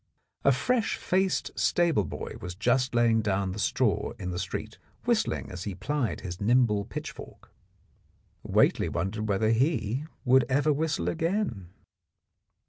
A fresh faced stable boy was just laying down the straw in the street, whistling as he plied his nimble pitchfork. Whately wondered whether he would ever whistle again.